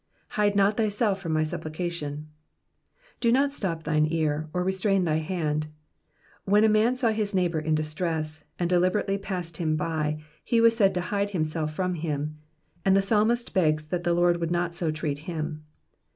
^^Hide not thyself from my supplication.'^'' Do not stop thine ear, or restrain thy hand. When a man saw his neighbour in distress, and deliberately passed him by, he was said to hide himself from him ; and the psalmist begs that the Lord would not so treat him.